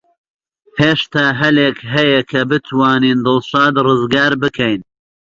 هێشتا هەلێک هەیە کە بتوانین دڵشاد ڕزگار بکەین.